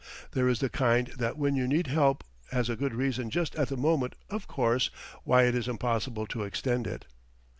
There is the kind that when you need help has a good reason just at the moment, of course, why it is impossible to extend it.